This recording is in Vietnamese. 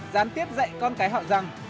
gián tiếp dạy con cái họ rằng